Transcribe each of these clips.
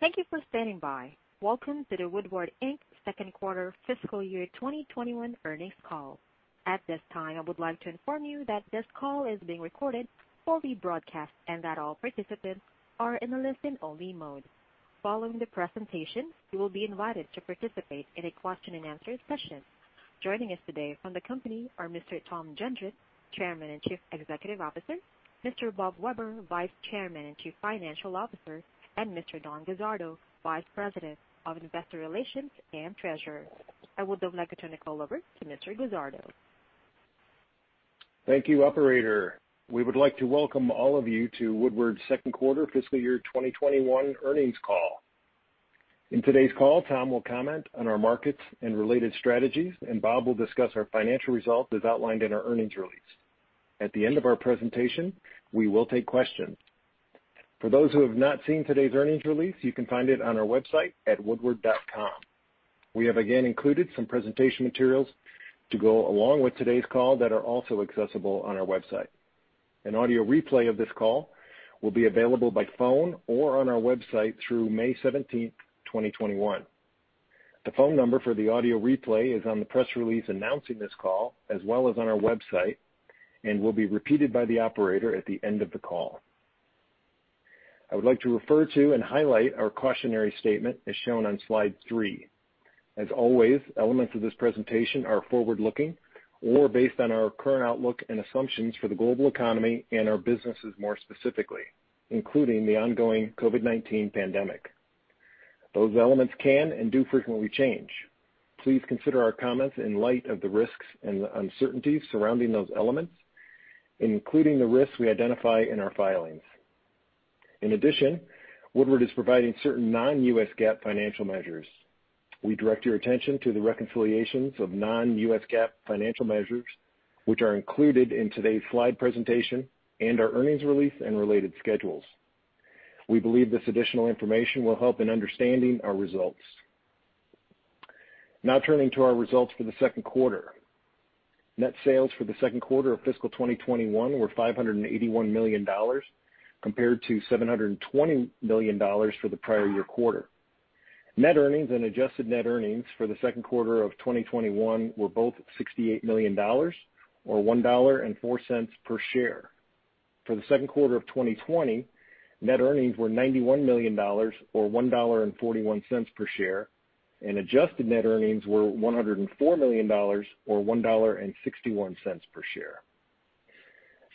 Thank you for standing by. Welcome to the Woodward, Inc. second quarter fiscal year 2021 earnings call. At this time, I would like to inform you that this call is being recorded for the broadcast and that all participants are in a listen-only mode. Following the presentation, you will be invited to participate in a question and answer session. Joining us today from the company are Mr. Tom Gendron, Chairman and Chief Executive Officer, Mr. Bob Weber, Vice Chairman and Chief Financial Officer, and Mr. Don Guzzardo, Vice President of Investor Relations and Treasurer. I would now like to turn the call over to Mr. Guzzardo. Thank you, operator. We would like to welcome all of you to Woodward's second quarter fiscal year 2021 earnings call. In today's call, Tom will comment on our markets and related strategies, and Bob will discuss our financial results as outlined in our earnings release. At the end of our presentation, we will take questions. For those who have not seen today's earnings release, you can find it on our website at woodward.com. We have again included some presentation materials to go along with today's call that are also accessible on our website. An audio replay of this call will be available by phone or on our website through May 17, 2021. The phone number for the audio replay is on the press release announcing this call, as well as on our website, and will be repeated by the operator at the end of the call. I would like to refer to and highlight our cautionary statement as shown on slide three. As always, elements of this presentation are forward-looking or based on our current outlook and assumptions for the global economy and our businesses more specifically, including the ongoing COVID-19 pandemic. Those elements can and do frequently change. Please consider our comments in light of the risks and the uncertainties surrounding those elements, including the risks we identify in our filings. In addition, Woodward is providing certain non-US GAAP financial measures. We direct your attention to the reconciliations of non-US GAAP financial measures, which are included in today's slide presentation and our earnings release and related schedules. We believe this additional information will help in understanding our results. Now turning to our results for the second quarter. Net sales for the second quarter of fiscal 2021 were $581 million, compared to $720 million for the prior year quarter. Net earnings and adjusted net earnings for the second quarter of 2021 were both $68 million, or $1.04 per share. For the second quarter of 2020, net earnings were $91 million, or $1.41 per share, and adjusted net earnings were $104 million, or $1.61 per share.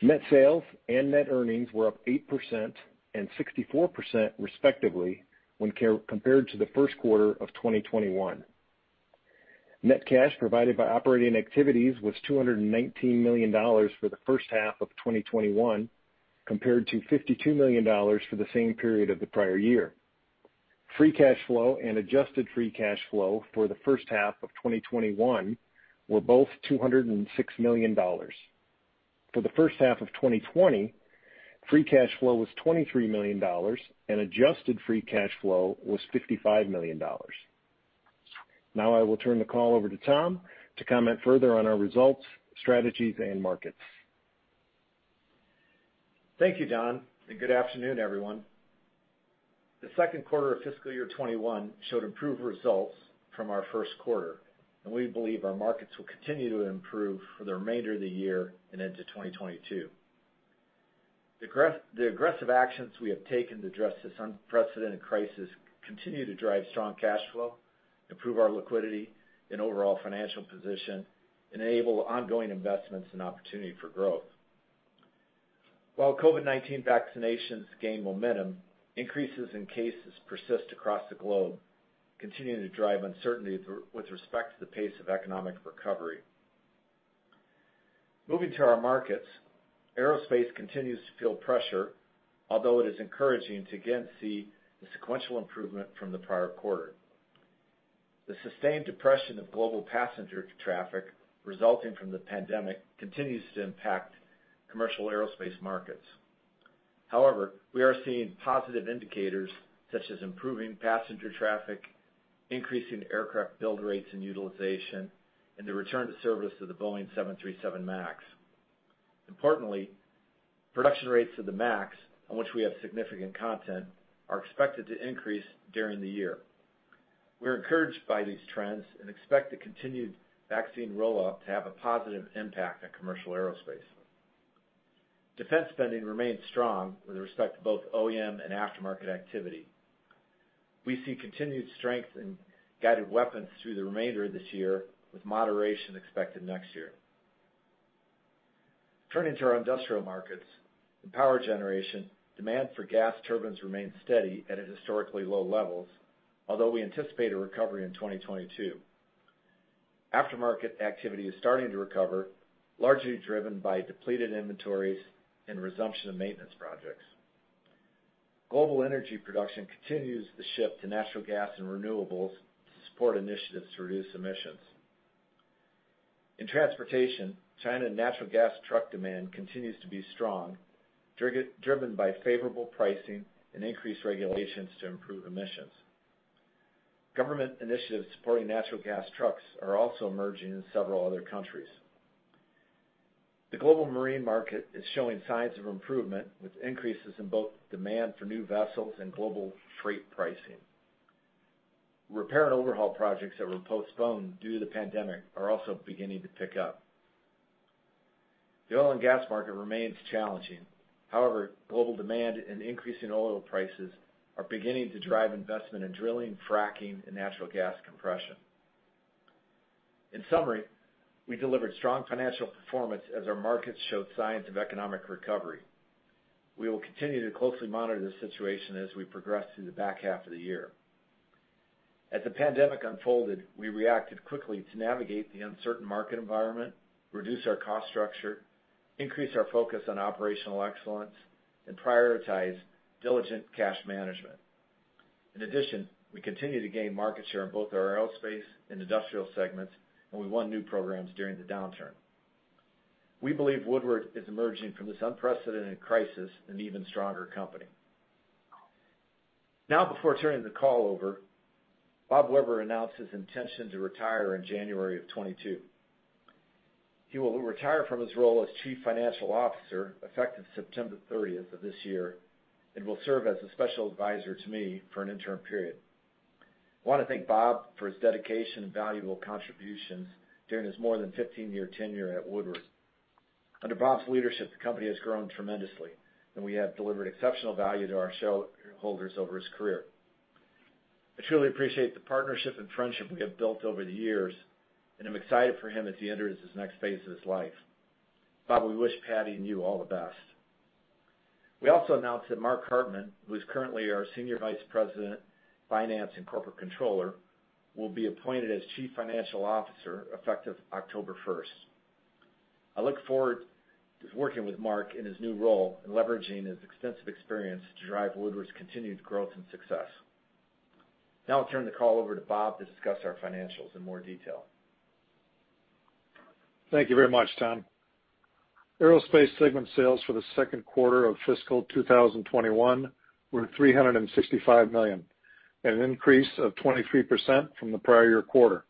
Net sales and net earnings were up 8% and 64%, respectively, when compared to the first quarter of 2021. Net cash provided by operating activities was $219 million for the first half of 2021, compared to $52 million for the same period of the prior year. Free cash flow and adjusted free cash flow for the first half of 2021 were both $206 million. For the first half of 2020, free cash flow was $23 million, and adjusted free cash flow was $55 million. Now I will turn the call over to Tom to comment further on our results, strategies, and markets. Thank you, Don. Good afternoon, everyone. The second quarter of fiscal year 2021 showed improved results from our first quarter. We believe our markets will continue to improve for the remainder of the year and into 2022. The aggressive actions we have taken to address this unprecedented crisis continue to drive strong cash flow, improve our liquidity and overall financial position, enable ongoing investments and opportunity for growth. While COVID-19 vaccinations gain momentum, increases in cases persist across the globe, continuing to drive uncertainty with respect to the pace of economic recovery. Moving to our markets, aerospace continues to feel pressure, although it is encouraging to again see the sequential improvement from the prior quarter. The sustained depression of global passenger traffic resulting from the pandemic continues to impact commercial aerospace markets. However, we are seeing positive indicators such as improving passenger traffic, increasing aircraft build rates and utilization, and the return to service of the Boeing 737 MAX. Importantly, production rates of the MAX, on which we have significant content, are expected to increase during the year. We're encouraged by these trends and expect the continued vaccine rollout to have a positive impact on commercial aerospace. Defense spending remains strong with respect to both OEM and aftermarket activity. We see continued strength in guided weapons through the remainder of this year, with moderation expected next year. Turning to our industrial markets. In power generation, demand for gas turbines remains steady at historically low levels, although we anticipate a recovery in 2022. Aftermarket activity is starting to recover, largely driven by depleted inventories and resumption of maintenance projects. Global energy production continues the shift to natural gas and renewables to support initiatives to reduce emissions. In transportation, China natural gas truck demand continues to be strong, driven by favorable pricing and increased regulations to improve emissions. Government initiatives supporting natural gas trucks are also emerging in several other countries. The global marine market is showing signs of improvement, with increases in both demand for new vessels and global freight pricing. Repair and overhaul projects that were postponed due to the pandemic are also beginning to pick up. The oil and gas market remains challenging. However, global demand and increasing oil prices are beginning to drive investment in drilling, fracking, and natural gas compression. In summary, we delivered strong financial performance as our markets showed signs of economic recovery. We will continue to closely monitor the situation as we progress through the back half of the year. As the pandemic unfolded, we reacted quickly to navigate the uncertain market environment, reduce our cost structure, increase our focus on operational excellence, and prioritize diligent cash management. We continue to gain market share in both our aerospace and industrial segments, and we won new programs during the downturn. We believe Woodward is emerging from this unprecedented crisis an even stronger company. Before turning the call over, Bob Weber announced his intention to retire in January of 2022. He will retire from his role as Chief Financial Officer effective September 30th of this year, and will serve as a special advisor to me for an interim period. I want to thank Bob for his dedication and valuable contributions during his more than 15-year tenure at Woodward. Under Bob's leadership, the company has grown tremendously, and we have delivered exceptional value to our shareholders over his career. I truly appreciate the partnership and friendship we have built over the years, and I'm excited for him as he enters this next phase of his life. Bob, we wish Patty and you all the best. We also announced that Mark Hartman, who is currently our Senior Vice President of Finance and Corporate Controller, will be appointed as Chief Financial Officer effective October 1st. I look forward to working with Mark in his new role and leveraging his extensive experience to drive Woodward's continued growth and success. Now I'll turn the call over to Bob to discuss our financials in more detail. Thank you very much, Tom. Aerospace segment sales for the second quarter of fiscal 2021 were $365 million, an increase of 23% from the prior year quarter.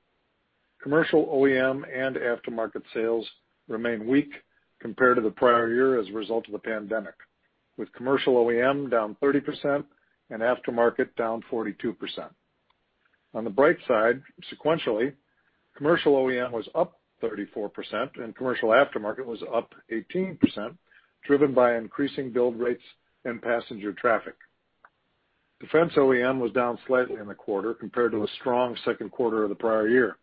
Commercial OEM and aftermarket sales remain weak compared to the prior year as a result of the pandemic, with commercial OEM down 30% and aftermarket down 42%. On the bright side, sequentially, commercial OEM was up 34% and commercial aftermarket was up 18%, driven by increasing build rates and passenger traffic. Defense OEM was down slightly in the quarter compared to a strong second quarter of the prior year,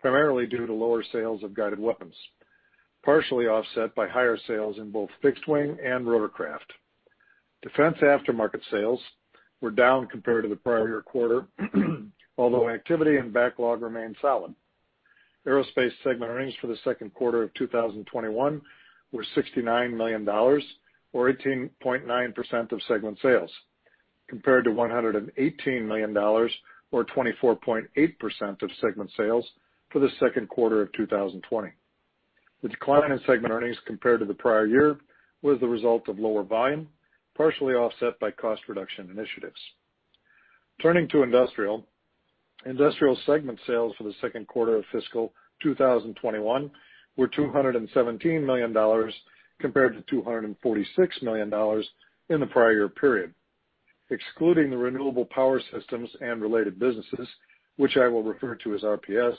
primarily due to lower sales of guided weapons, partially offset by higher sales in both fixed-wing and rotorcraft. Defense aftermarket sales were down compared to the prior year quarter, although activity and backlog remained solid. Aerospace segment earnings for the second quarter of 2021 were $69 million, or 18.9% of segment sales, compared to $118 million, or 24.8% of segment sales for the second quarter of 2020. The decline in segment earnings compared to the prior year was the result of lower volume, partially offset by cost reduction initiatives. Turning to Industrial. Industrial segment sales for the second quarter of fiscal 2021 were $217 million, compared to $246 million in the prior year period. Excluding the Renewable Power Systems and related businesses, which I will refer to as RPS,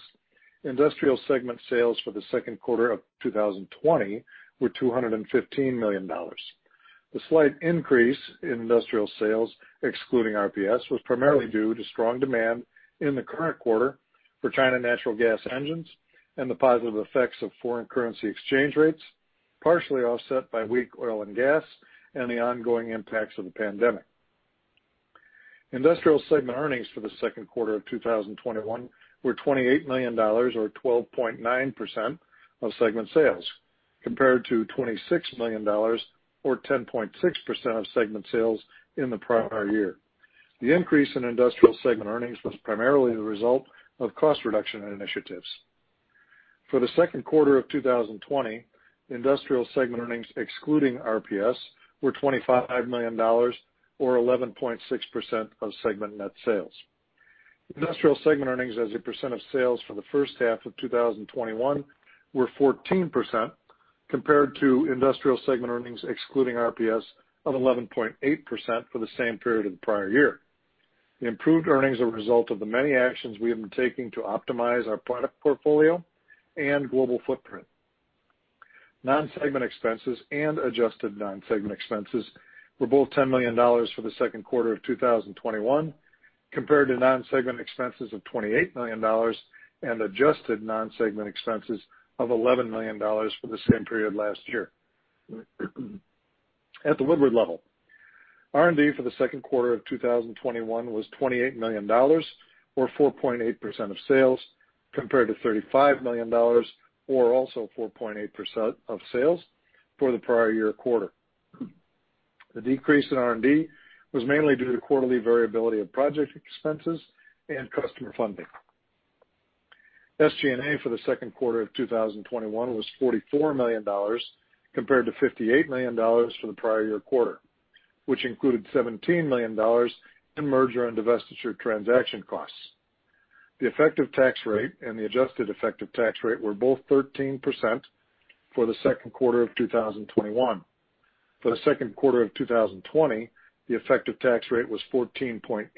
Industrial segment sales for the second quarter of 2020 were $215 million. The slight increase in industrial sales, excluding RPS, was primarily due to strong demand in the current quarter for China natural gas engines and the positive effects of foreign currency exchange rates, partially offset by weak oil and gas and the ongoing impacts of the pandemic. Industrial segment earnings for the second quarter of 2021 were $28 million, or 12.9% of segment sales, compared to $26 million, or 10.6% of segment sales in the prior year. The increase in industrial segment earnings was primarily the result of cost reduction initiatives. For the second quarter of 2020, industrial segment earnings, excluding RPS, were $25 million, or 11.6% of segment net sales. Industrial segment earnings as a percent of sales for the first half of 2021 were 14%, compared to industrial segment earnings excluding RPS of 11.8% for the same period in the prior year. The improved earnings are a result of the many actions we have been taking to optimize our product portfolio and global footprint. Non-segment expenses and adjusted non-segment expenses were both $10 million for the second quarter of 2021 compared to non-segment expenses of $28 million and adjusted non-segment expenses of $11 million for the same period last year. At the Woodward level, R&D for the second quarter of 2021 was $28 million, or 4.8% of sales, compared to $35 million, or also 4.8% of sales, for the prior year quarter. The decrease in R&D was mainly due to quarterly variability of project expenses and customer funding. SG&A for the second quarter of 2021 was $44 million, compared to $58 million for the prior year quarter, which included $17 million in merger and divestiture transaction costs. The effective tax rate and the adjusted effective tax rate were both 13% for the second quarter of 2021. For the second quarter of 2020, the effective tax rate was 14.8%,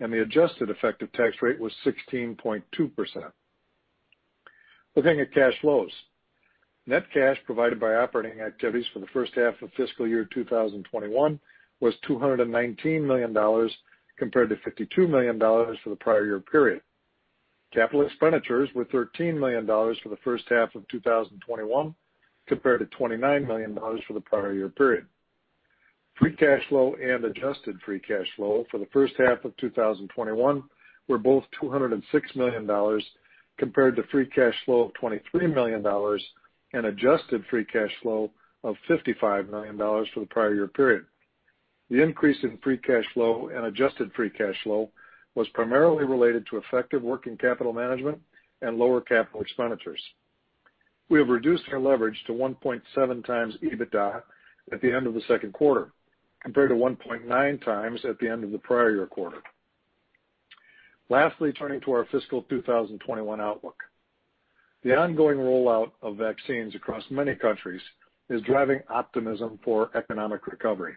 and the adjusted effective tax rate was 16.2%. Looking at cash flows. Net cash provided by operating activities for the first half of fiscal year 2021 was $219 million, compared to $52 million for the prior year period. Capital expenditures were $13 million for the first half of 2021, compared to $29 million for the prior year period. Free cash flow and adjusted free cash flow for the first half of 2021 were both $206 million, compared to free cash flow of $23 million and adjusted free cash flow of $55 million for the prior year period. The increase in free cash flow and adjusted free cash flow was primarily related to effective working capital management and lower capital expenditures. We have reduced our leverage to 1.7x EBITDA at the end of the second quarter, compared to 1.9x at the end of the prior year quarter. Lastly, turning to our fiscal 2021 outlook. The ongoing rollout of vaccines across many countries is driving optimism for economic recovery.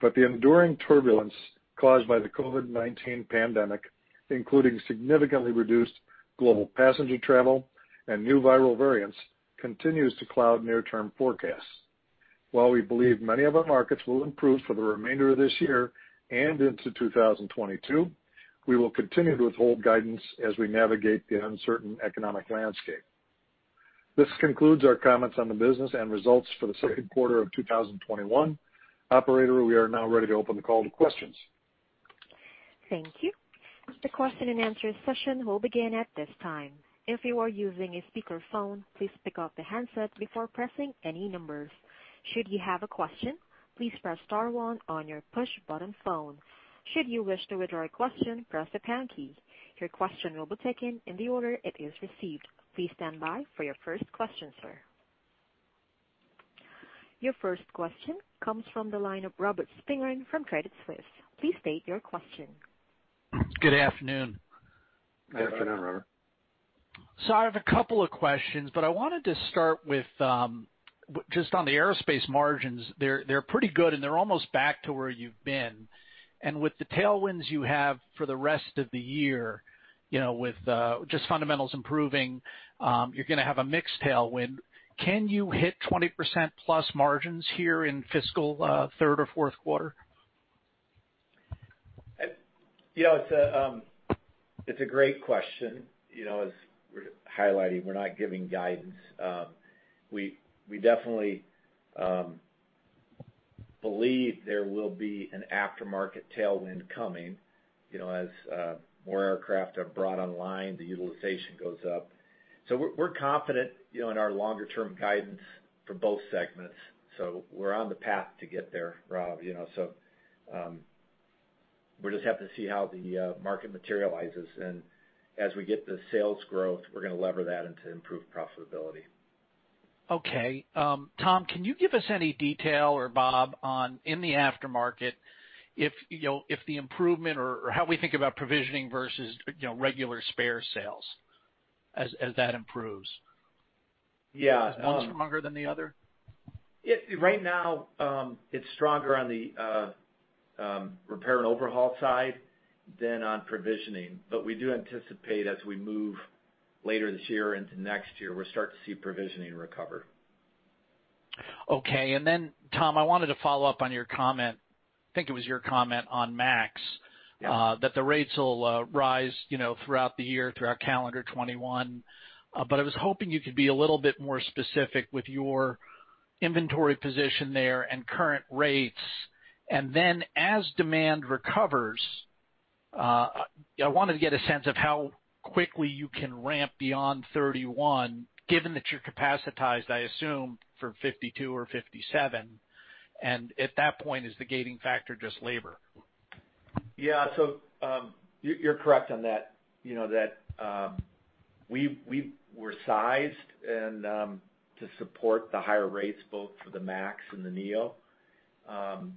The enduring turbulence caused by the COVID-19 pandemic, including significantly reduced global passenger travel and new viral variants, continues to cloud near-term forecasts. While we believe many of our markets will improve for the remainder of this year and into 2022, we will continue to withhold guidance as we navigate the uncertain economic landscape. This concludes our comments on the business and results for the second quarter of 2021. Operator, we are now ready to open the call to questions. Thank you. Your first question comes from the line of Robert Spingarn from Credit Suisse. Please state your question. Good afternoon. Good afternoon, Robert. I have a couple of questions, but I wanted to start with just on the aerospace margins. They're pretty good, and they're almost back to where you've been. With the tailwinds you have for the rest of the year, with just fundamentals improving, you're going to have a mix tailwind. Can you hit 20% plus margins here in fiscal third or fourth quarter? It's a great question. We're highlighting, we're not giving guidance. We definitely believe there will be an aftermarket tailwind coming. More aircraft are brought online, the utilization goes up. We're confident in our longer-term guidance for both segments. We're on the path to get there, Rob. We just have to see how the market materializes, as we get the sales growth, we're going to lever that into improved profitability. Okay. Tom, can you give us any detail, or Bob, on in the aftermarket, if the improvement or how we think about provisioning versus regular spare sales as that improves? Yeah. Is one stronger than the other? Right now, it's stronger on the repair and overhaul side than on provisioning. We do anticipate as we move later this year into next year, we'll start to see provisioning recover. Okay. Tom, I wanted to follow up on your comment, I think it was your comment on MAX- Yeah that the rates will rise throughout the year, throughout calendar 2021. I was hoping you could be a little bit more specific with your inventory position there and current rates. As demand recovers, I wanted to get a sense of how quickly you can ramp beyond 31, given that you're capacitized, I assume, for 52 or 57. At that point, is the gating factor just labor? You're correct on that. We were sized to support the higher rates both for the Boeing 737 MAX and the A320neo.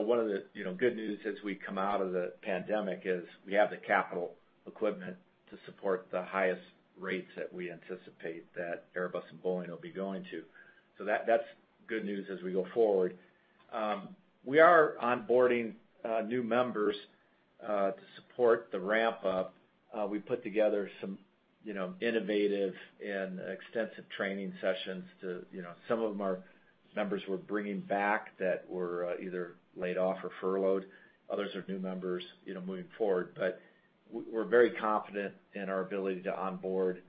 One of the good news as we come out of the pandemic is we have the capital equipment to support the highest rates that we anticipate that Airbus and Boeing will be going to. That's good news as we go forward. We are onboarding new members to support the ramp up. We put together some innovative and extensive training sessions. Some of them are members we're bringing back that were either laid off or furloughed. Others are new members moving forward. We're very confident in our ability to onboard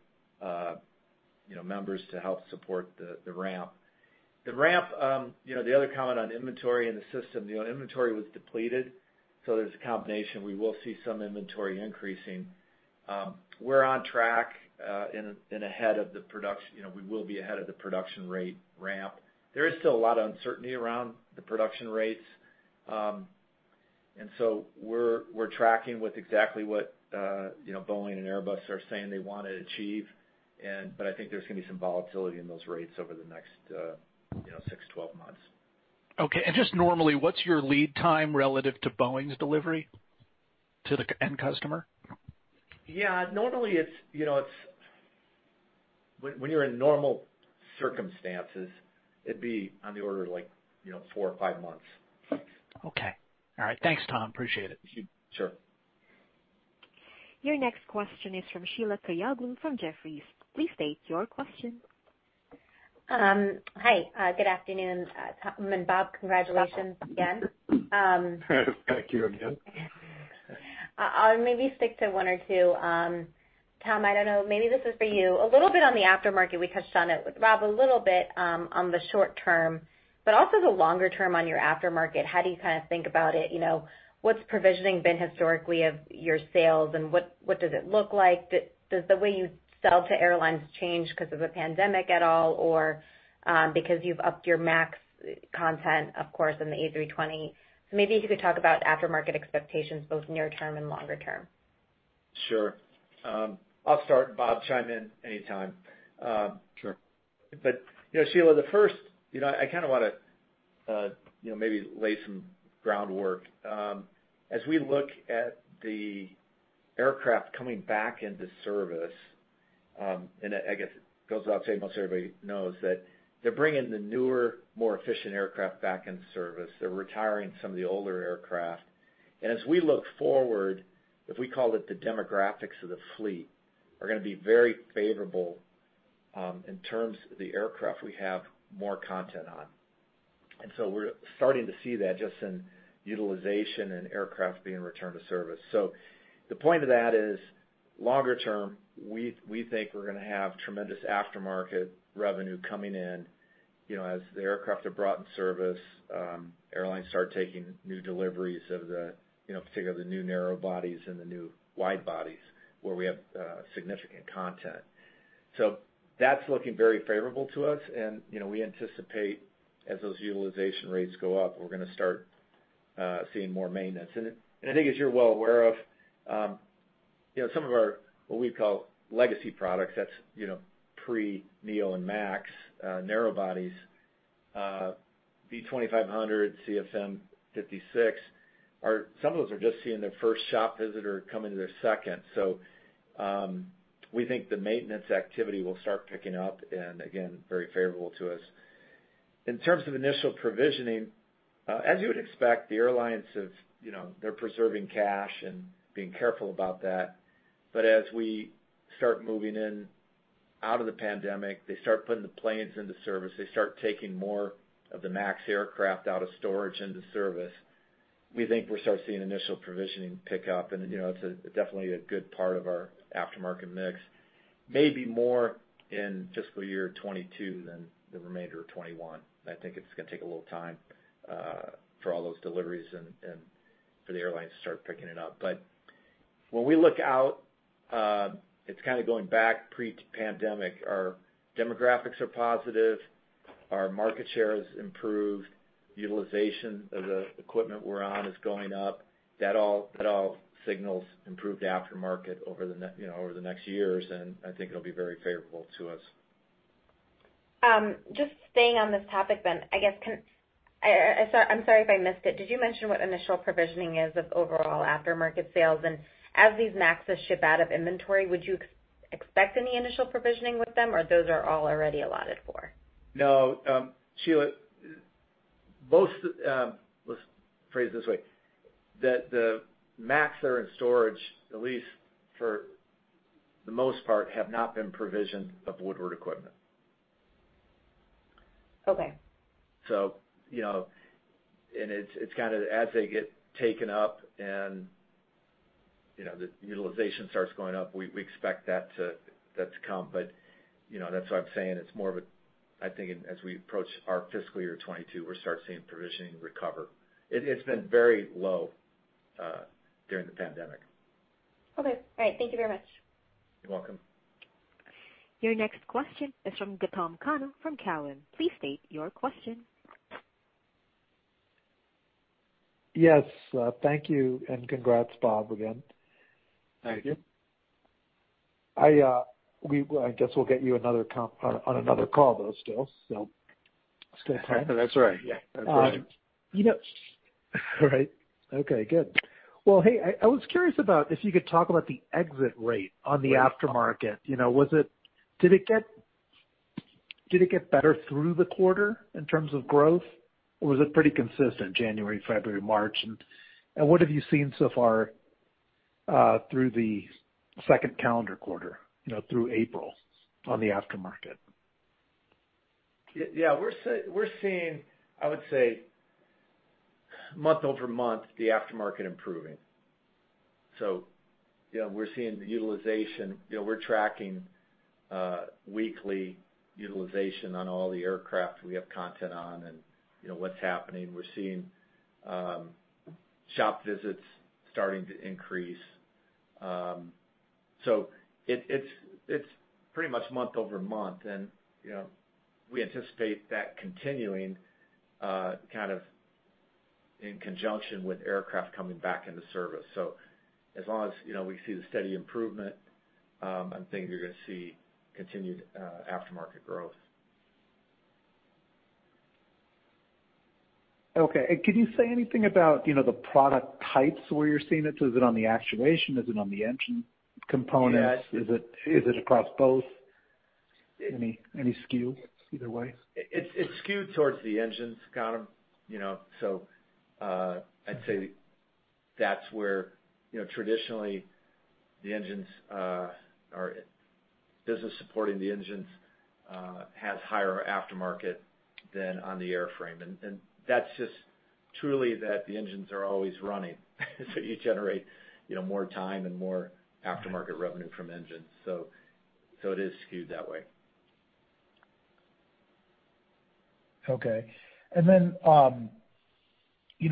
members to help support the ramp. The other comment on inventory in the system, inventory was depleted, so there's a combination. We will see some inventory increasing. We're on track and we will be ahead of the production rate ramp. There is still a lot of uncertainty around the production rates. So we're tracking with exactly what Boeing and Airbus are saying they want to achieve. I think there's going to be some volatility in those rates over the next six- 12 months. Okay. Just normally, what's your lead time relative to Boeing's delivery to the end customer? Yeah, normally, when you're in normal circumstances, it'd be on the order of four or five months. Okay. All right. Thanks, Tom. Appreciate it. Sure. Your next question is from Sheila Kahyaoglu from Jefferies. Please state your question. Hi, good afternoon, Tom and Bob. Congratulations again. Thank you again. I'll maybe stick to one or two. Tom, I don't know, maybe this is for you. A little bit on the aftermarket. We touched on it with Rob a little bit, on the short-term, but also the longer term on your aftermarket. How do you think about it? What's provisioning been historically of your sales, and what does it look like? Does the way you sell to airlines change because of the pandemic at all, or because you've upped your MAX content, of course, in the A320? Maybe if you could talk about aftermarket expectations, both near-term and longer-term. Sure. I'll start. Bob, chime in anytime. Sure. Sheila, the first, I want to maybe lay some groundwork. As we look at the aircraft coming back into service, and I guess it goes without saying, most everybody knows that they're bringing the newer, more efficient aircraft back into service. They're retiring some of the older aircraft. As we look forward, if we call it the demographics of the fleet, are going to be very favorable in terms of the aircraft we have more content on. We're starting to see that just in utilization and aircraft being returned to service. The point of that is, longer term, we think we're going to have tremendous aftermarket revenue coming in as the aircraft are brought in service, airlines start taking new deliveries of the new narrow bodies and the new wide bodies where we have significant content. That's looking very favorable to us, and we anticipate as those utilization rates go up, we're going to start seeing more maintenance. I think as you're well aware of, some of our, what we call legacy products. That's pre-NEO and MAX narrow bodies, V2500, CFM56. Some of those are just seeing their first shop visitor coming to their second. We think the maintenance activity will start picking up, and again, very favorable to us. In terms of initial provisioning, as you would expect, the airlines, they're preserving cash and being careful about that. As we start moving in out of the pandemic, they start putting the planes into service. They start taking more of the MAX aircraft out of storage into service. We think we'll start seeing initial provisioning pick up, and it's definitely a good part of our aftermarket mix. Maybe more in fiscal year 2022 than the remainder of 2021. I think it's going to take a little time for all those deliveries and for the airlines to start picking it up. When we look out, it's going back pre-pandemic. Our demographics are positive. Our market share has improved. Utilization of the equipment we're on is going up. That all signals improved aftermarket over the next years, and I think it'll be very favorable to us. Just staying on this topic, I'm sorry if I missed it. Did you mention what initial provisioning is of overall aftermarket sales? As these MAXes ship out of inventory, would you expect any initial provisioning with them, or those are all already allotted for? No, Sheila, let's phrase it this way. That the MAX that are in storage, at least for the most part, have not been provisioned of Woodward equipment. Okay. It's as they get taken up and the utilization starts going up, we expect that to come. That's why I'm saying it's more of a, I think as we approach our fiscal year 2022, we'll start seeing provisioning recover. It's been very low during the pandemic. Okay. All right. Thank you very much. You're welcome. Your next question is from Gautam Khanna from Cowen. Please state your question. Yes. Thank you, and congrats, Bob, again. Thank you. I guess we'll get you on another call, though still, so stay tuned. That's right. Yeah. All right. Okay, good. Well, hey, I was curious about if you could talk about the exit rate on the aftermarket. Did it get better through the quarter in terms of growth, or was it pretty consistent January, February, March? What have you seen so far through the second calendar quarter, through April on the aftermarket? Yeah. We're seeing, I would say, month-over-month, the aftermarket improving. We're seeing the utilization. We're tracking weekly utilization on all the aircraft we have content on and what's happening. We're seeing shop visits starting to increase. It's pretty much month-over-month, and we anticipate that continuing kind of in conjunction with aircraft coming back into service. As long as we see the steady improvement, I'm thinking you're going to see continued aftermarket growth. Okay. Could you say anything about the product types where you're seeing it? Is it on the actuation? Is it on the engine components? Yeah. Is it across both? Any skew either way? It's skewed towards the engines, kind of. I'd say that's where traditionally the business supporting the engines has higher aftermarket than on the airframe. That's just truly that the engines are always running. You generate more time and more aftermarket revenue from engines. It is skewed that way. Okay.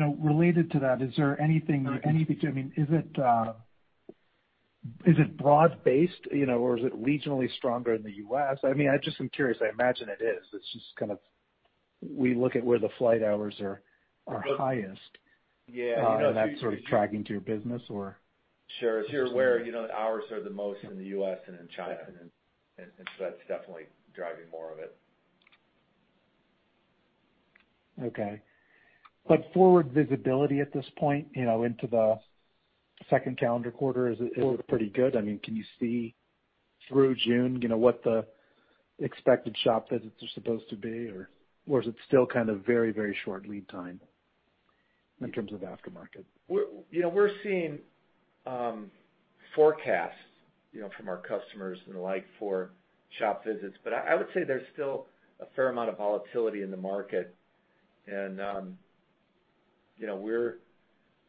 Related to that, is there anything? Sorry is it broad based, or is it regionally stronger in the U.S.? I just am curious. I imagine it is. It's just kind of, we look at where the flight hours are highest. Yeah. That's sort of tracking to your business, or? Sure. Where the hours are the most in the U.S. and in China, and so that's definitely driving more of it. Okay. Forward visibility at this point into the second calendar quarter, is it pretty good? Can you see through June what the expected shop visits are supposed to be? Is it still kind of very short lead time in terms of aftermarket? We're seeing forecasts from our customers and the like for shop visits, but I would say there's still a fair amount of volatility in the market.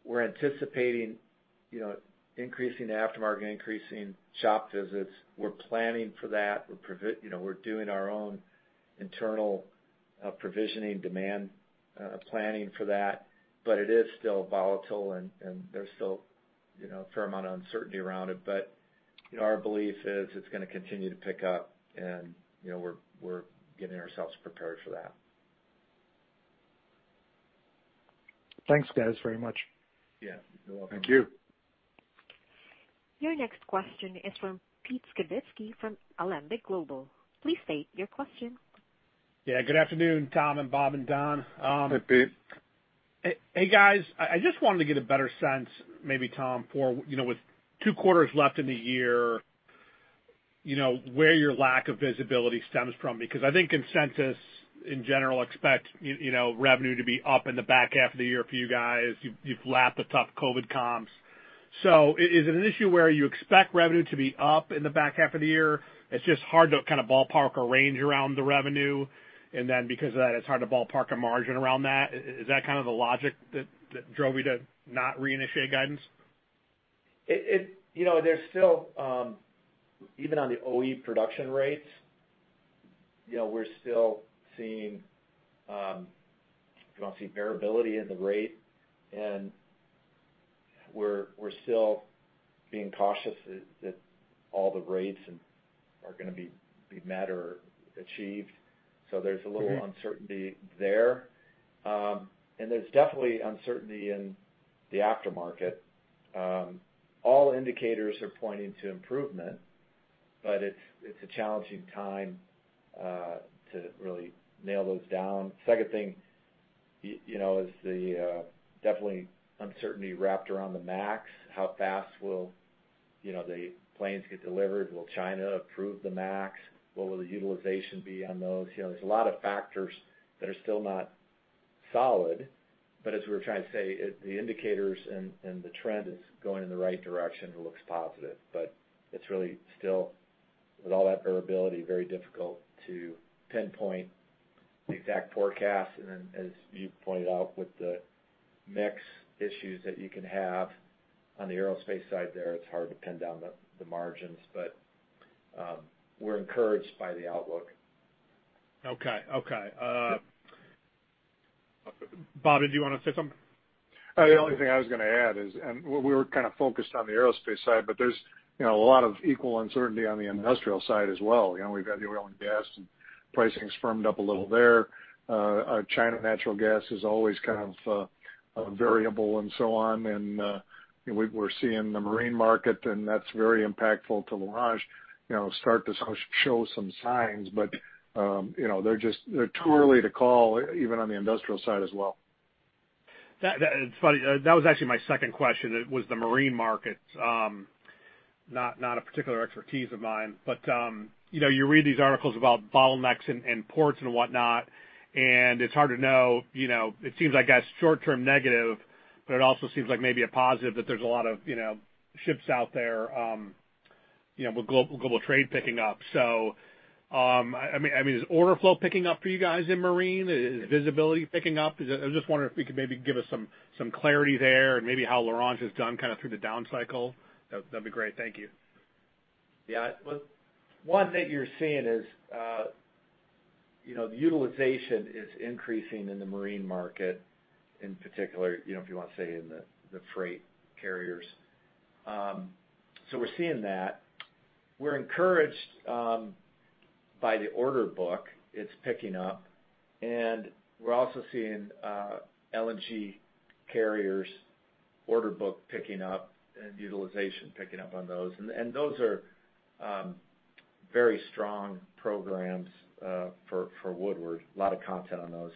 We're anticipating increasing the aftermarket, increasing shop visits. We're planning for that. We're doing our own internal provisioning demand planning for that. It is still volatile, and there's still a fair amount of uncertainty around it. Our belief is it's going to continue to pick up, and we're getting ourselves prepared for that. Thanks, guys, very much. Yeah. You're welcome. Thank you. Your next question is from Peter Skibitski from Alanda Global. Please state your question. Yeah. Good afternoon, Tom and Bob and Don. Hey, Pete. Hey, guys. I just wanted to get a better sense, maybe Tom, with two quarters left in the year, where your lack of visibility stems from. I think consensus in general expect revenue to be up in the back half of the year for you guys. You've lapped the tough COVID-19 comps. Is it an issue where you expect revenue to be up in the back half of the year, it's just hard to kind of ballpark a range around the revenue, and then because of that, it's hard to ballpark a margin around that? Is that kind of the logic that drove you to not re-initiate guidance? There's still, even on the OE production rates, we're still seeing variability in the rate, and we're still being cautious that all the rates are going to be met or achieved. There's a little uncertainty there. There's definitely uncertainty in the aftermarket. All indicators are pointing to improvement, but it's a challenging time to really nail those down. Second thing is the definitely uncertainty wrapped around the Max. How fast will the planes get delivered? Will China approve the Max? What will the utilization be on those? There's a lot of factors that are still not solid, but as we were trying to say, the indicators and the trend is going in the right direction. It looks positive, but it's really still, with all that variability, very difficult to pinpoint the exact forecast. As you pointed out, with the mix issues that you can have on the aerospace side there, it's hard to pin down the margins. We're encouraged by the outlook. Okay. Yeah. Bob, did you want to say something? The only thing I was going to add is, and we were kind of focused on the aerospace side, but there's a lot of equal uncertainty on the industrial side as well. We've got the oil and gas, and pricing's firmed up a little there. China natural gas is always kind of a variable and so on. We're seeing the marine market, and that's very impactful to L'Orange, start to show some signs. They're too early to call, even on the industrial side as well. That is funny. That was actually my second question, was the marine market. Not a particular expertise of mine, but you read these articles about bottlenecks and ports and whatnot, and it's hard to know. It seems like that's short-term negative, but it also seems like maybe a positive that there's a lot of ships out there with global trade picking up. Is order flow picking up for you guys in marine? Is visibility picking up? I was just wondering if you could maybe give us some clarity there and maybe how L'Orange Yeah. One that you're seeing is the utilization is increasing in the marine market in particular, if you want to say in the freight carriers. We're seeing that. We're encouraged by the order book. It's picking up, and we're also seeing LNG carriers order book picking up and utilization picking up on those. Those are very strong programs for Woodward, a lot of content on those.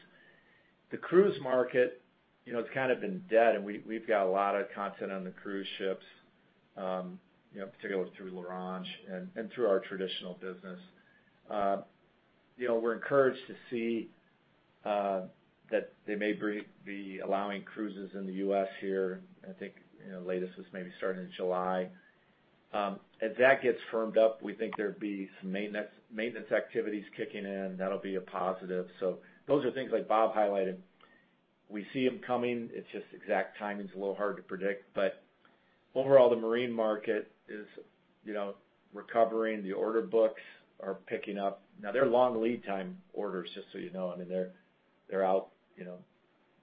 The cruise market, it's kind of been dead, and we've got a lot of content on the cruise ships, particularly through L'Orange and through our traditional business. We're encouraged to see that they may be allowing cruises in the U.S. here, I think, latest is maybe starting in July. As that gets firmed up, we think there'd be some maintenance activities kicking in. That'll be a positive. Those are things like Bob highlighted. We see them coming. It's just exact timing's a little hard to predict. Overall, the marine market is recovering. The order books are picking up. They're long lead time orders, just so you know. I mean, the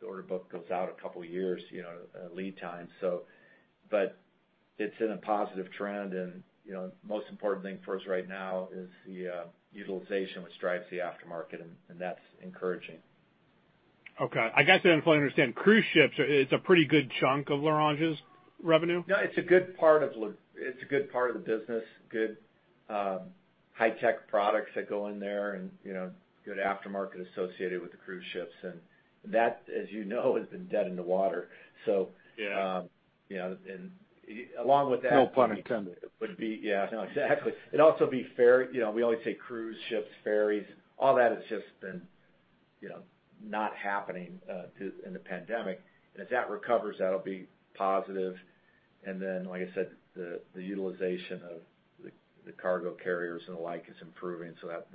order book goes out a couple of years, lead time. It's in a positive trend, and most important thing for us right now is the utilization, which drives the aftermarket, and that's encouraging. Okay. I guess, I didn't fully understand. Cruise ships, it's a pretty good chunk of L'Orange's revenue? No, it's a good part of the business. Good high-tech products that go in there and good aftermarket associated with the cruise ships. That, as you know, has been dead in the water. Yeah and along with that- No pun intended. Yeah, no, exactly. It'd also be ferry. We always say cruise ships, ferries, all that has just been not happening in the pandemic. As that recovers, that'll be positive. Like I said, the utilization of the cargo carriers and the like is improving, so that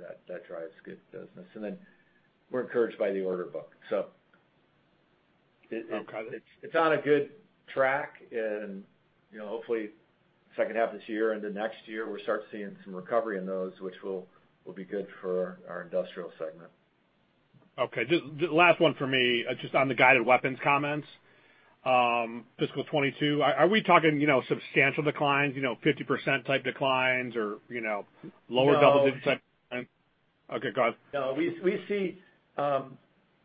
drives good business. We're encouraged by the order book. Okay it's on a good track, and hopefully second half of this year into next year, we'll start seeing some recovery in those, which will be good for our industrial segment. Okay. Last one for me, just on the guided weapons comments, fiscal 2022. Are we talking substantial declines, 50% type declines or lower double digit type-? No. Okay, go ahead. No, we see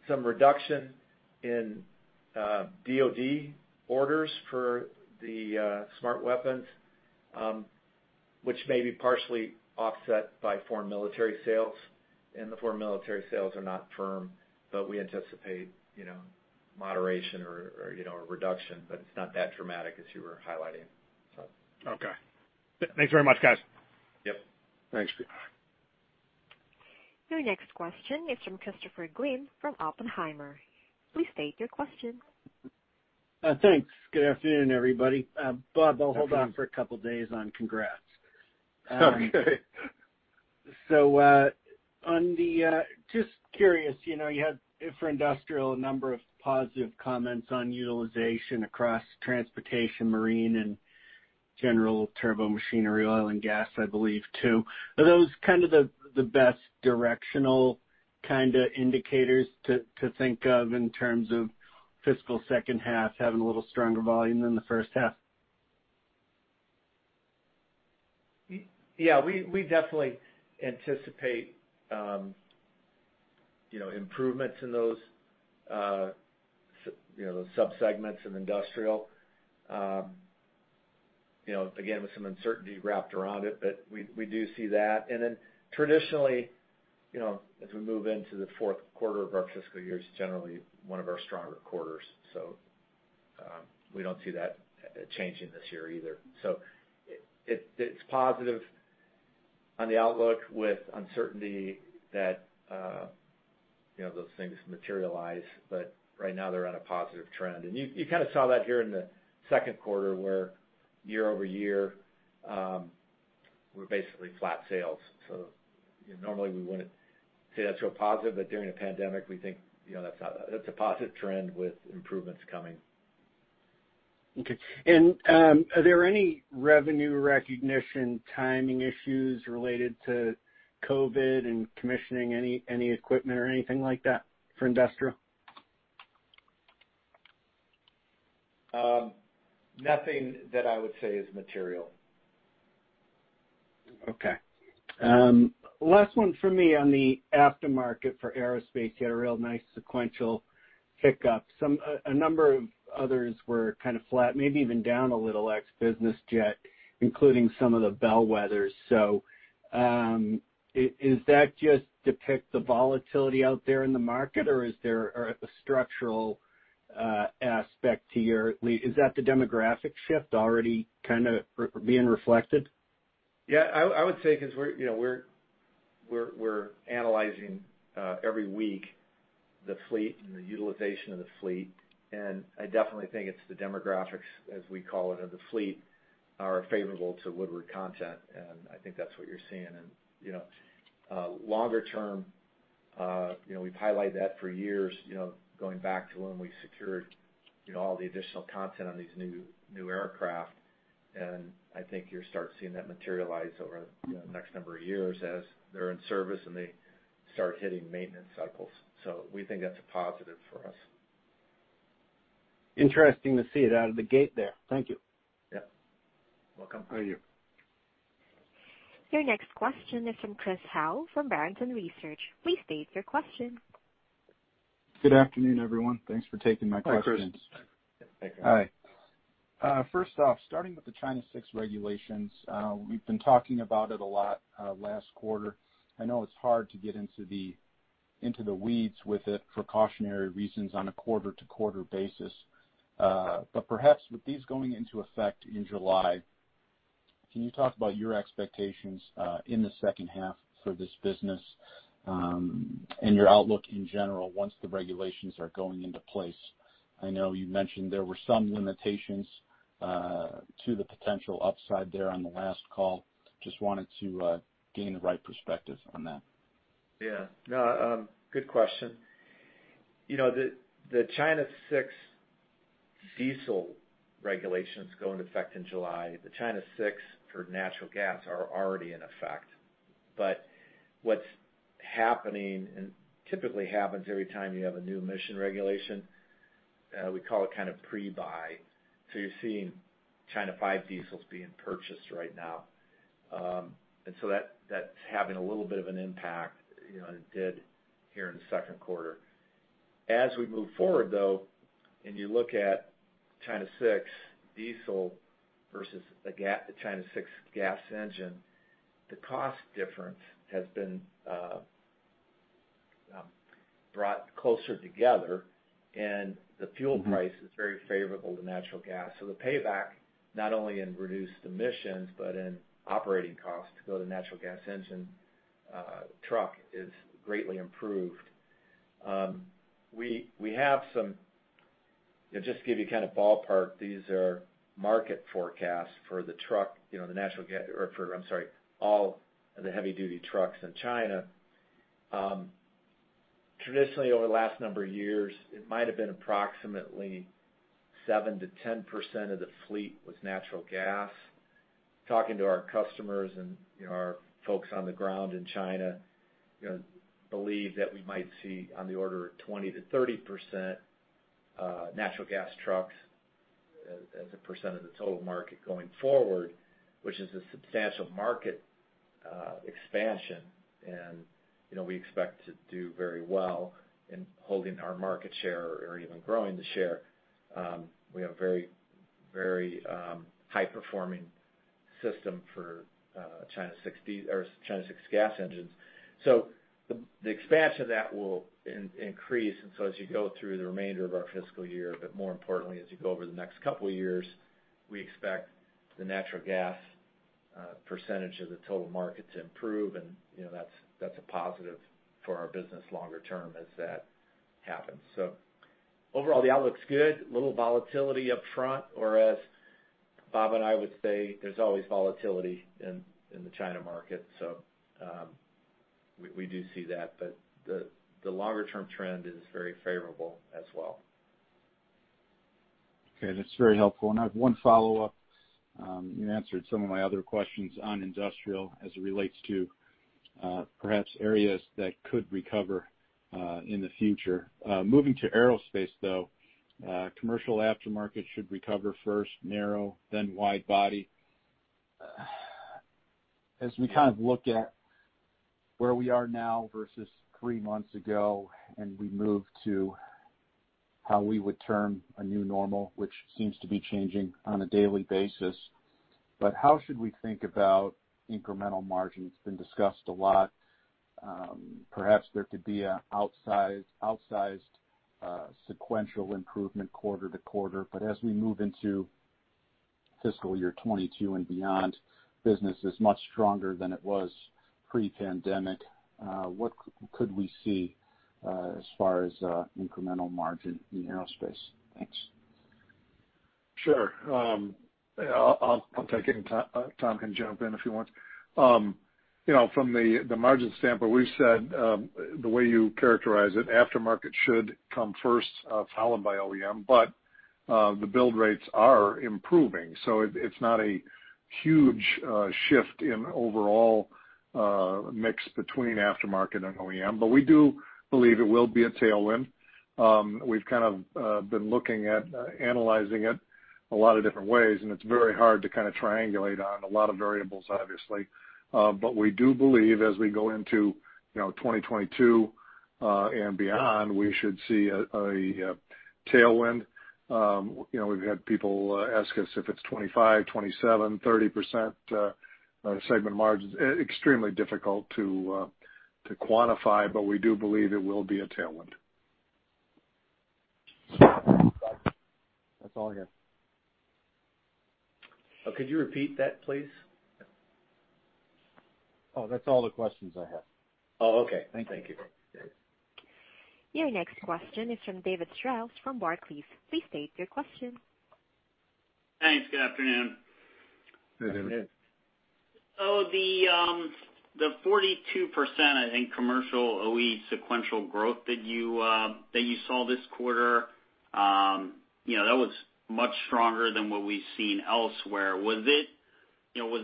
some reduction in DoD orders for the smart weapons, which may be partially offset by foreign military sales. The foreign military sales are not firm. We anticipate moderation or a reduction. It's not that dramatic as you were highlighting, so. Okay. Thanks very much, guys. Yep. Thanks. Your next question is from Christopher Glynn from Oppenheimer. Please state your question. Thanks. Good afternoon, everybody. Bob, I'll hold on for a couple of days on congrats. Okay. Just curious, you had for industrial, a number of positive comments on utilization across transportation, marine, and general turbo machinery, oil and gas, I believe, too. Are those kind of the best directional kind of indicators to think of in terms of fiscal second half having a little stronger volume than the first half? We definitely anticipate improvements in those sub-segments in industrial. Again, with some uncertainty wrapped around it, but we do see that. Traditionally, as we move into the fourth quarter of our fiscal year, it's generally one of our stronger quarters. We don't see that changing this year either. It's positive on the outlook with uncertainty that those things materialize. Right now, they're on a positive trend. You kind of saw that here in the second quarter where year-over-year, we're basically flat sales. Normally we wouldn't say that's real positive, but during a pandemic, we think that's a positive trend with improvements coming. Okay. Are there any revenue recognition timing issues related to COVID and commissioning any equipment or anything like that for industrial? Nothing that I would say is material. Okay. Last one for me on the aftermarket for aerospace, you had a real nice sequential pick up. A number of others were kind of flat, maybe even down a little ex business jet, including some of the bellwethers. Is that just depict the volatility out there in the market, or is there a structural aspect to your lead? Is that the demographic shift already kind of being reflected? Yeah. I would say because we're analyzing every week the fleet and the utilization of the fleet. I definitely think it's the demographics, as we call it, of the fleet are favorable to Woodward content, and I think that's what you're seeing. Longer term, we've highlighted that for years, going back to when we secured all the additional content on these new aircraft. I think you'll start seeing that materialize over the next number of years as they're in service, and they start hitting maintenance cycles. We think that's a positive for us. Interesting to see it out of the gate there. Thank you. Yep. Welcome. Thank you. Your next question is from Chris Howe from Barrington Research. Please state your question. Good afternoon, everyone. Thanks for taking my questions. Hi, Chris. Hi. Hi. First off, starting with the China VI regulations. We've been talking about it a lot last quarter. I know it's hard to get into the weeds with it, precautionary reasons on a quarter-to-quarter basis. Perhaps with these going into effect in July, can you talk about your expectations in the second half for this business, and your outlook in general once the regulations are going into place? I know you mentioned there were some limitations to the potential upside there on the last call. Just wanted to gain the right perspective on that. Yeah. No, good question. The China VI diesel regulations go into effect in July. The China VI for natural gas are already in effect. What's happening, and typically happens every time you have a new emission regulation, we call it pre-buy. You're seeing China V diesels being purchased right now. That's having a little bit of an impact, and it did here in the second quarter. As we move forward, though, and you look at China VI diesel versus the China VI gas engine, the cost difference has been brought closer together and the fuel price is very favorable to natural gas. The payback, not only in reduced emissions, but in operating costs to go to natural gas engine truck, is greatly improved. Just to give you kind of ballpark, these are market forecasts for all the heavy duty trucks in China. Traditionally, over the last number of years, it might've been approximately 7%-10% of the fleet was natural gas. Talking to our customers and our folks on the ground in China, believe that we might see on the order of 20%-30% natural gas trucks as a percent of the total market going forward, which is a substantial market expansion. We expect to do very well in holding our market share or even growing the share. We have very high performing system for China VI gas engines. The expansion of that will increase, and so as you go through the remainder of our fiscal year, but more importantly, as you go over the next couple of years, we expect the natural gas percentage of the total market to improve. That's a positive for our business longer term as that happens. Overall, the outlook's good. Little volatility up front. As Bob and I would say, there's always volatility in the China market. We do see that, the longer-term trend is very favorable as well. Okay, that's very helpful. I have one follow-up. You answered some of my other questions on industrial as it relates to perhaps areas that could recover in the future. Moving to aerospace, though, commercial aftermarket should recover first narrow, then wide body. As we look at where we are now versus three months ago, and we move to how we would term a new normal, which seems to be changing on a daily basis, but how should we think about incremental margin? It's been discussed a lot. Perhaps there could be an outsized sequential improvement quarter-to-quarter, but as we move into fiscal year 2022 and beyond, business is much stronger than it was pre-pandemic. What could we see as far as incremental margin in aerospace? Thanks. Sure. I'll take it, and Tom can jump in if he wants. From the margin standpoint, we've said, the way you characterize it, aftermarket should come first, followed by OEM. The build rates are improving, so it's not a huge shift in overall mix between aftermarket and OEM. We do believe it will be a tailwind. We've been looking at analyzing it a lot of different ways, and it's very hard to triangulate on. A lot of variables, obviously. We do believe as we go into 2022, and beyond, we should see a tailwind. We've had people ask us if it's 25%, 27%, 30% segment margins. Extremely difficult to quantify, but we do believe it will be a tailwind. That's all I have. Could you repeat that, please? Oh, that's all the questions I have. Oh, okay. Thank you. Thank you. Your next question is from David Strauss from Barclays. Please state your question. Thanks. Good afternoon. Hey, David. Hey. The 42%, I think commercial OE sequential growth that you saw this quarter, that was much stronger than what we've seen elsewhere. Was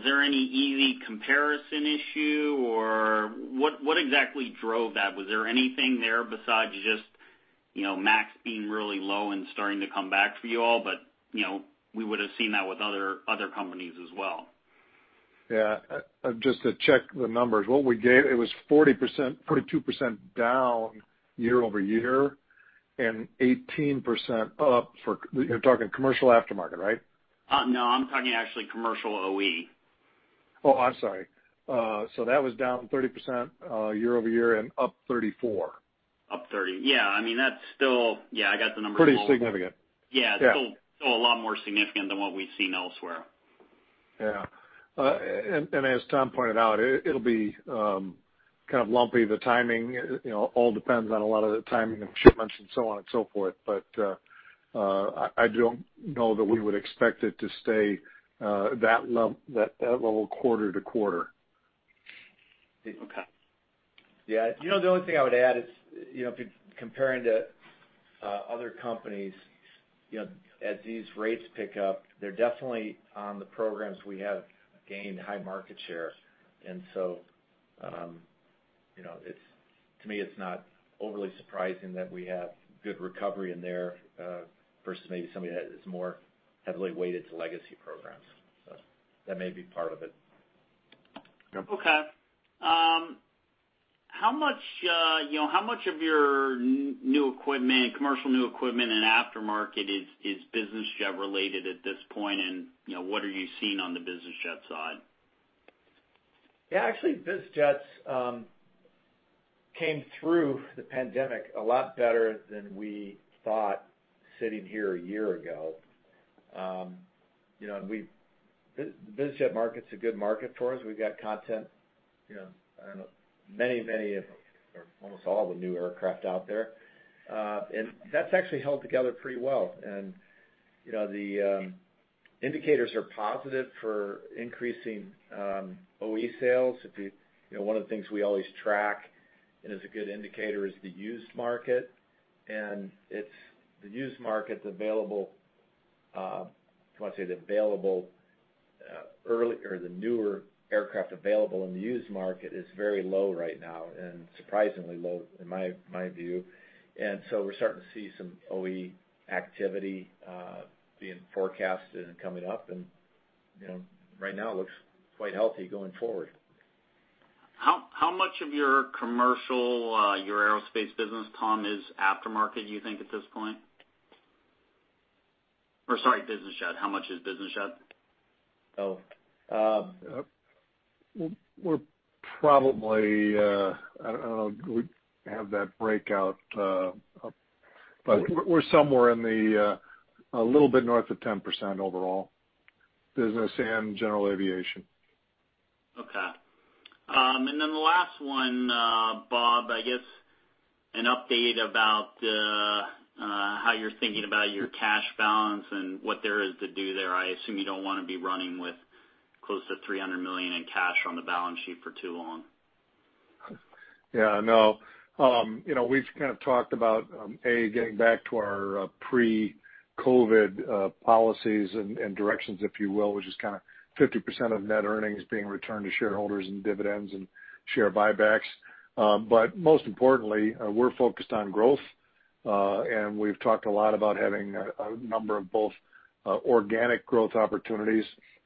there any easy comparison issue, or what exactly drove that? Was there anything there besides just MAX being really low and starting to come back for you all, but we would've seen that with other companies as well? Yeah. Just to check the numbers. What we gave, it was 42% down year-over-year and 18% up for You're talking commercial aftermarket, right? No, I'm talking actually commercial OE. Oh, I'm sorry. That was down 30% year-over-year and up 34%. Up 30. Yeah, I got the numbers wrong. Pretty significant. Yeah. Yeah. Still a lot more significant than what we've seen elsewhere. Yeah. As Tom pointed out, it'll be kind of lumpy. The timing, all depends on a lot of the timing of shipments and so on and so forth. I don't know that we would expect it to stay that level quarter-to-quarter. Okay. Yeah. The only thing I would add is, comparing to other companies, as these rates pick up, they're definitely on the programs we have gained high market share. To me, it's not overly surprising that we have good recovery in there, versus maybe somebody that is more heavily weighted to legacy programs. That may be part of it. Yep. How much of your commercial new equipment and aftermarket is business jet related at this point, and what are you seeing on the business jet side? Actually, business jets came through the pandemic a lot better than we thought sitting here a year ago. The business jet market's a good market for us. We've got content, I don't know, many of, or almost all the new aircraft out there. That's actually held together pretty well. The indicators are positive for increasing OE sales. One of the things we always track, and is a good indicator, is the used market. The used market's available, if you want to say the available early or the newer aircraft available in the used market is very low right now, and surprisingly low in my view. We're starting to see some OE activity being forecasted and coming up, and right now looks quite healthy going forward. How much of your commercial, your aerospace business, Tom, is aftermarket, do you think, at this point? Sorry, business jet. How much is business jet? Oh. We're probably I don't know if we have that breakout. We're somewhere a little bit north of 10% overall, business and general aviation. Okay. The last one, Bob, I guess an update about how you're thinking about your cash balance and what there is to do there. I assume you don't want to be running with close to $300 million in cash on the balance sheet for too long. Yeah, no. We've kind of talked about, A, getting back to our pre-COVID policies and directions, if you will, which is kind of 50% of net earnings being returned to shareholders in dividends and share buybacks. Most importantly, we're focused on growth. We've talked a lot about having a number of both organic growth opportunities,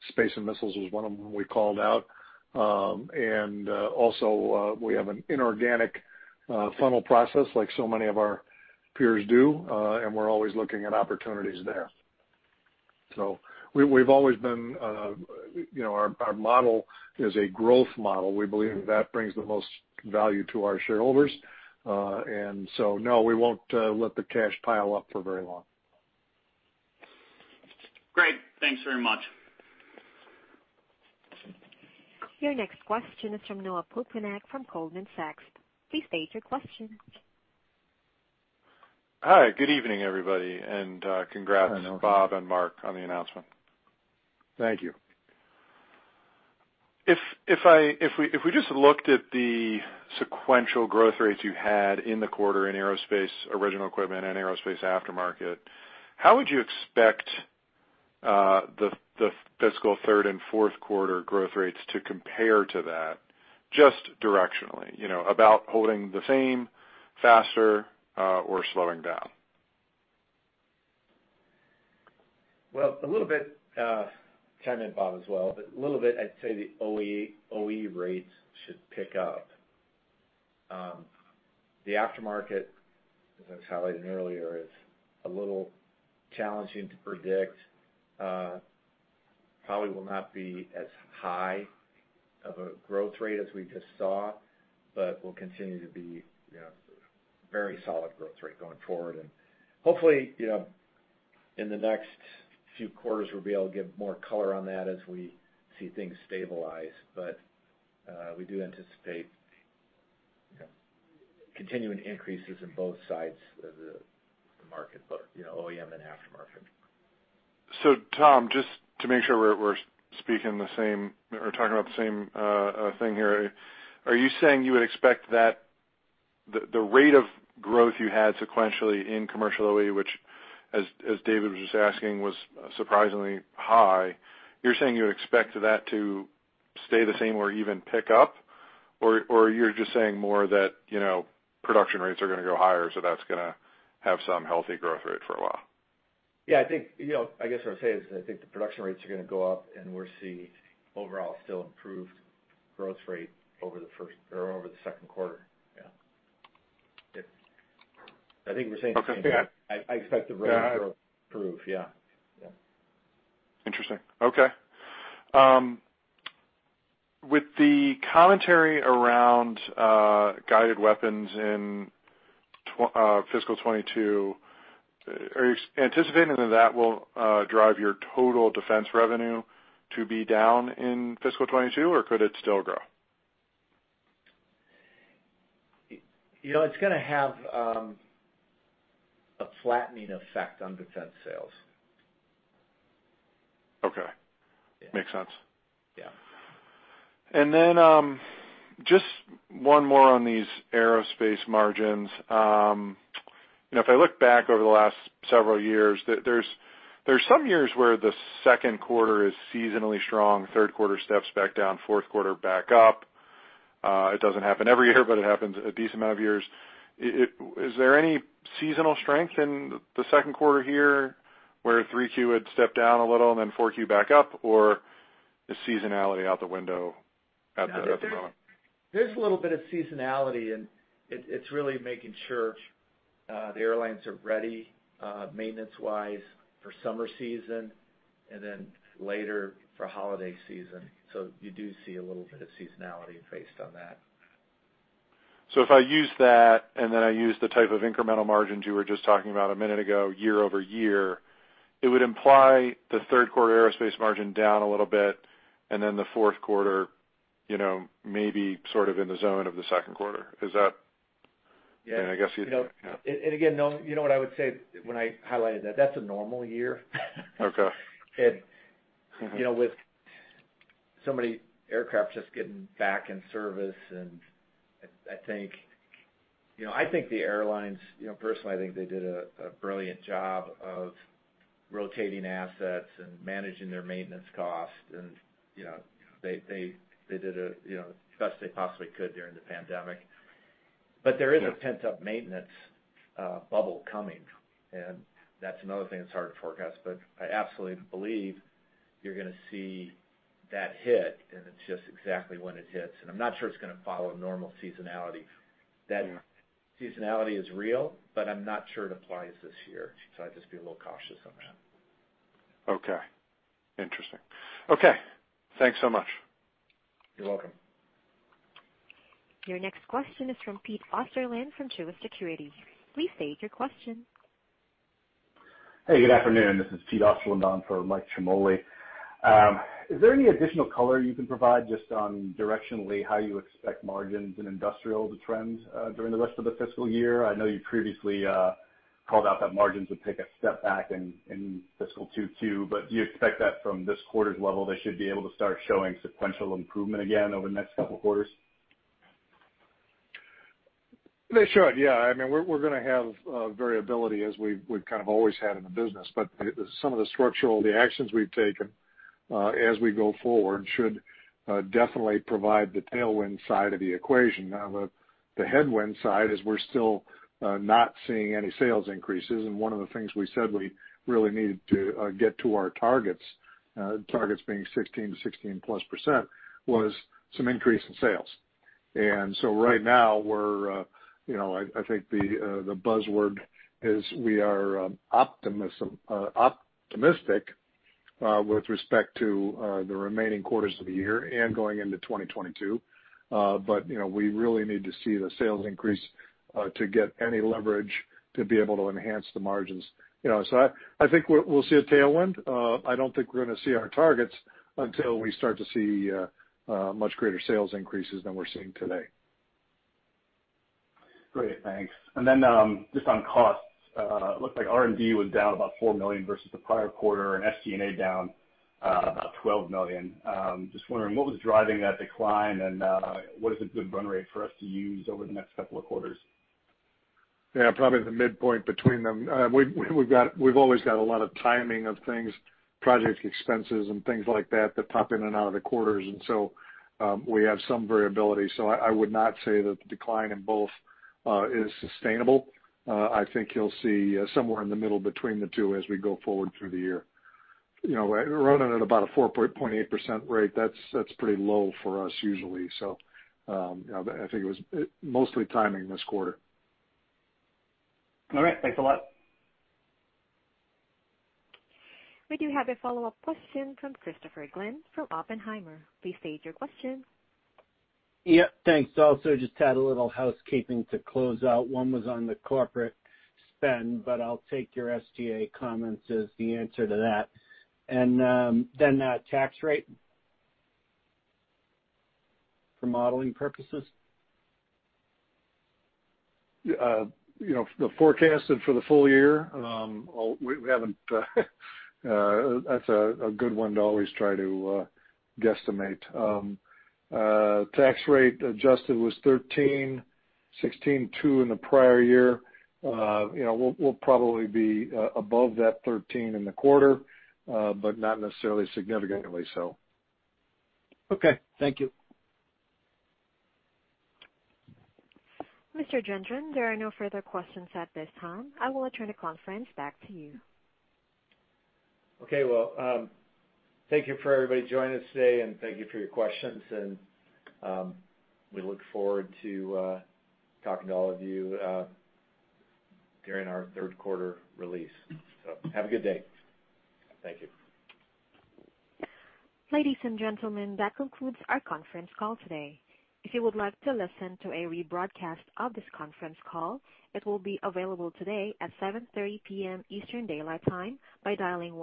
space and missiles was one of them we called out. Also, we have an inorganic funnel process, like so many of our peers do, and we're always looking at opportunities there. We've always been, our model is a growth model. We believe that brings the most value to our shareholders. No, we won't let the cash pile up for very long. Great. Thanks very much. Your next question is from Noah Poponak from Goldman Sachs. Please state your question. Hi, good evening, everybody. Congrats, Bob and Mark, on the announcement. Thank you. If we just looked at the sequential growth rates you had in the quarter in aerospace original equipment and aerospace aftermarket, how would you expect the fiscal third and fourth quarter growth rates to compare to that, just directionally? About holding the same, faster, or slowing down? Well, a little bit, chime in, Bob, as well, but a little bit, I'd say the OE rates should pick up. The aftermarket, as I was highlighting earlier, is a little challenging to predict. Probably will not be as high of a growth rate as we just saw, but will continue to be very solid growth rate going forward. Hopefully, in the next few quarters, we'll be able to give more color on that as we see things stabilize. We do anticipate continuing increases in both sides of the market, both OEM and aftermarket. Tom, just to make sure we're talking about the same thing here, are you saying you would expect that the rate of growth you had sequentially in commercial OE, which, as David was just asking, was surprisingly high? You're saying you expect that to stay the same or even pick up? You're just saying more that production rates are going to go higher, so that's going to have some healthy growth rate for a while? Yeah, I guess what I would say is I think the production rates are going to go up and we'll see overall still improved growth rate over the second quarter. Yeah. I think we're saying the same thing. Okay, yeah. I expect the rate of growth to improve. Yeah. Interesting. Okay. With the commentary around guided weapons in fiscal 2022, are you anticipating that that will drive your total defense revenue to be down in fiscal 2022 or could it still grow? It's going to have a flattening effect on defense sales. Okay. Yeah. Makes sense. Yeah. Just one more on these aerospace margins. If I look back over the last several years, there's some years where the second quarter is seasonally strong, third quarter steps back down, fourth quarter back up. It doesn't happen every year, but it happens a decent amount of years. Is there any seasonal strength in the second quarter here where 3Q would step down a little and then 4Q back up, or is seasonality out the window at the moment? There's a little bit of seasonality and it's really making sure the airlines are ready maintenance-wise for summer season and then later for holiday season. You do see a little bit of seasonality based on that. If I use that and then I use the type of incremental margins you were just talking about a minute ago year-over-year, it would imply the third quarter aerospace margin down a little bit and then the fourth quarter maybe sort of in the zone of the second quarter. Is that? Yeah. I guess yeah. Again, you know what I would say when I highlighted that's a normal year. Okay. With so many aircraft just getting back in service, I think the airlines, personally, I think they did a brilliant job of rotating assets and managing their maintenance costs. They did the best they possibly could during the pandemic. There is a pent-up maintenance bubble coming, and that's another thing that's hard to forecast, but I absolutely believe you're going to see that hit, and it's just exactly when it hits. I'm not sure it's going to follow normal seasonality. Yeah. That seasonality is real, but I'm not sure it applies this year, so I'd just be a little cautious on that. Okay. Interesting. Okay, thanks so much. You're welcome. Your next question is from Peter Osterland from Truist Securities. Please state your question. Hey, good afternoon. This is Peter Osterland on for Michael Ciarmoli. Is there any additional color you can provide just on directionally how you expect margins in industrial to trend during the rest of the fiscal year? I know you previously called out that margins would take a step back in fiscal 2022, but do you expect that from this quarter's level they should be able to start showing sequential improvement again over the next couple of quarters? They should, yeah. We're going to have variability as we've kind of always had in the business, but some of the structural, the actions we've taken as we go forward should definitely provide the tailwind side of the equation. Now, the headwind side is we're still not seeing any sales increases, and one of the things we said we really needed to get to our targets being 16% to 16+%, was some increase in sales. Right now, I think the buzzword is we are optimistic with respect to the remaining quarters of the year and going into 2022. We really need to see the sales increase to get any leverage to be able to enhance the margins. I think we'll see a tailwind. I don't think we're going to see our targets until we start to see much greater sales increases than we're seeing today. Great. Thanks. Just on costs, looked like R&D was down about $4 million versus the prior quarter and SG&A down about $12 million. Just wondering what was driving that decline and what is a good run rate for us to use over the next couple of quarters? Probably the midpoint between them. We've always got a lot of timing of things, project expenses and things like that pop in and out of the quarters, we have some variability. I would not say that the decline in both is sustainable. I think you'll see somewhere in the middle between the two as we go forward through the year. Running at about a 4.8% rate, that's pretty low for us usually. I think it was mostly timing this quarter. All right. Thanks a lot. We do have a follow-up question from Christopher Glynn from Oppenheimer. Please state your question. Yeah, thanks. Just had a little housekeeping to close out. One was on the corporate spend, but I'll take your SG&A comments as the answer to that. Then tax rate for modeling purposes. The forecasted for the full-year? That's a good one to always try to guesstimate. Tax rate adjusted was 13%, 16.2% in the prior year. We'll probably be above that 13% in the quarter, but not necessarily significantly so. Okay. Thank you. Mr. Gendron, there are no further questions at this time. I will return the conference back to you. Okay. Well, thank you for everybody joining us today, and thank you for your questions. We look forward to talking to all of you during our third quarter release. Have a good day. Thank you. Ladies and gentlemen, that concludes our conference call today. If you would like to listen to a rebroadcast of this conference call, it will be available today at 7:30 PM Eastern Daylight Time by dialing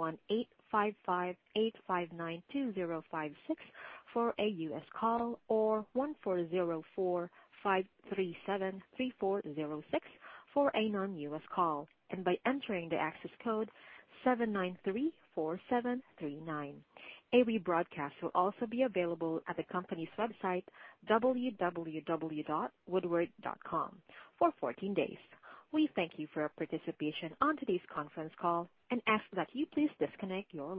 1-855-859-2056 for a US call or 1-404-537-3406 for a non-US call, and by entering the access code 7934739. A rebroadcast will also be available at the company's website, www.woodward.com for 14 days. We thank you for your participation on today's conference call and ask that you please disconnect your lines.